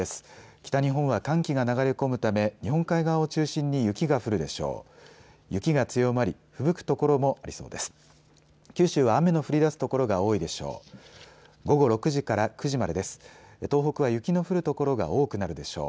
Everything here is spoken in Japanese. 北日本は寒気が流れ込むため日本海側を中心に雪が降るでしょう。